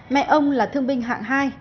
mẹ ông là thương binh hạng hai